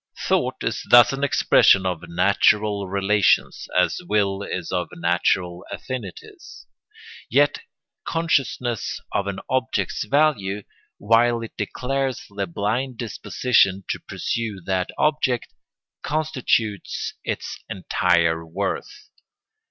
] Thought is thus an expression of natural relations, as will is of natural affinities; yet consciousness of an object's value, while it declares the blind disposition to pursue that object, constitutes its entire worth.